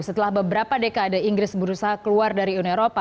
setelah beberapa dekade inggris berusaha keluar dari uni eropa